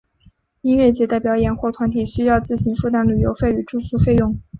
音乐节的表演者或团体需要自行负担旅费与住宿费用。